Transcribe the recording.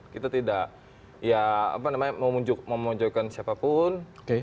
kita tidak memunjukkan siapapun